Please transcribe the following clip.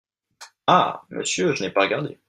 Ah ! monsieur… je n’ai pas regardé…